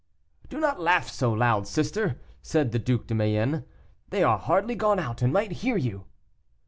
"Do not laugh so loud, sister," said the Duc de Mayenne, "they are hardly gone out, and might hear you."